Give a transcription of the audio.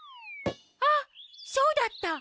あっそうだった！